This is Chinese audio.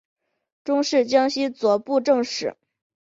终仕江西左布政使。